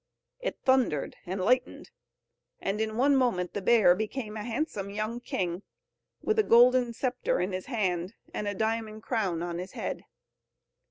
It thundered and lightened; and in one moment the bear became a handsome young king, with a golden sceptre in his hand, and a diamond crown on his head.